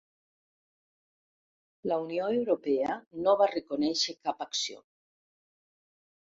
La Unió Europea no va reconèixer cap acció.